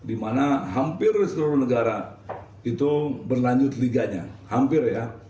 itu berlanjut liganya hampir ya